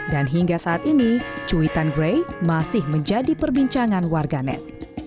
dan hingga saat ini cuitan gray masih menjadi perbincangan warganet